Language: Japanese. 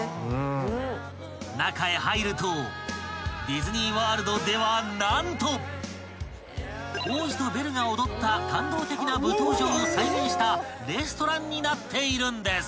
［ディズニー・ワールドでは何と王子とベルが踊った感動的な舞踏場を再現したレストランになっているんです］